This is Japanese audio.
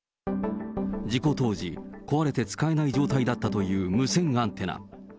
事故当時、壊れて使えない状態だったという無線アンテナ。